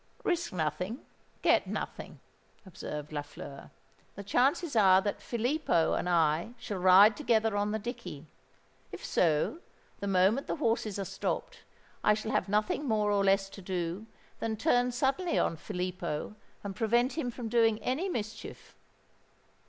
"Risk nothing, get nothing," observed Lafleur. "The chances are that Filippo and I shall ride together on the dickey: if so, the moment the horses are stopped, I shall have nothing more or less to do than turn suddenly on Filippo and prevent him from doing any mischief."